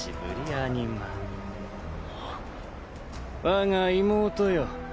我が妹よ。